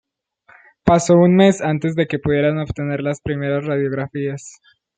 Pasó un mes antes de que pudieran obtener las primeras radiografías.